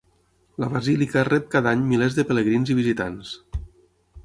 La Basílica rep cada any milers de pelegrins i visitants.